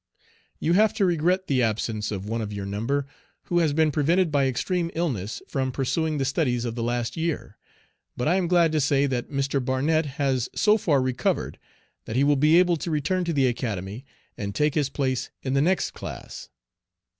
You have to regret the absence of one of your number, who has been prevented by extreme illness from pursuing the studies of the last year. But I am glad to say that Mr. Barnett has so far recovered that he will be able to return to the Academy, and take his place in the next class.